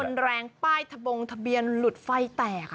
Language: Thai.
มันแรงป้ายทะบงทะเบียนหลุดไฟแตก